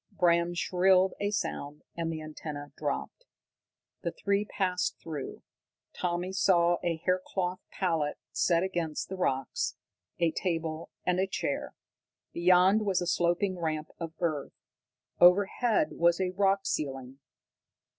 Bram shrilled a sound, and the antenna dropped. The three passed through. Tommy saw a hair cloth pallet set against the rocks, a table, and a chair. Beyond was a sloping ramp of earth. Overhead was a rock ceiling.